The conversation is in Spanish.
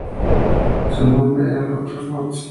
Su nombre era Lotus Notes.